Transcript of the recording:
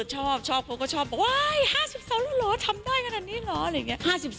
ชอบคงก็ชอบว้าย๕๖หรอทำได้กันอันนี้เหรอ